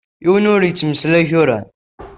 Yiwen ur yettmeslay tura.